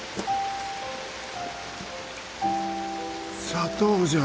砂糖じゃ。